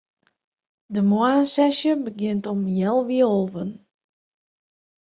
De moarnssesje begjint om healwei alven.